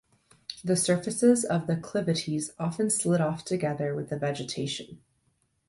The surfaces of the acclivities often slid off together with the vegetation.